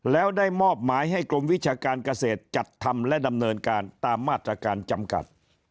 แล้วได้มอบหมายให้กรมวิชาการเกษตรจัดทำและดำเนินการตามมาตรการจำกัด